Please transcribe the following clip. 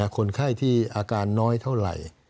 คนไข้ที่อาการน้อยเท่าไหร่